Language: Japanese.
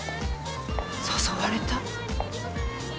誘われた？